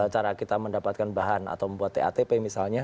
cara kita mendapatkan bahan atau membuat tatp misalnya